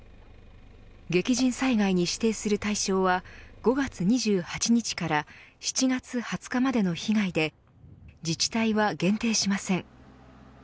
激甚災害に指定する対象は５月２８日から７月２０日までの被害で自治体は限定しません。